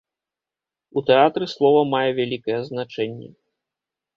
У тэатры слова мае вялікае значэнне.